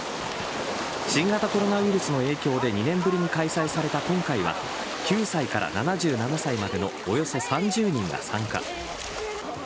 新型コロナウイルスの影響で２年ぶりに開催された今回は９歳から７７歳までのおよそ３０人が参加。